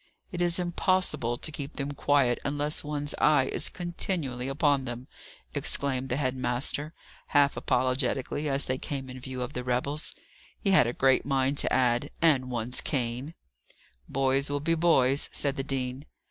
"It is impossible to keep them quiet unless one's eye is continually upon them!" exclaimed the head master, half apologetically, as they came in view of the rebels. He had a great mind to add, "And one's cane." "Boys will be boys," said the dean.